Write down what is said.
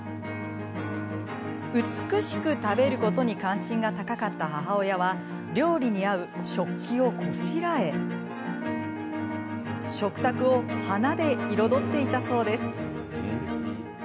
美しく食べることに関心が高かった母親は料理に合う食器をこしらえ食卓を花で彩っていたそうです。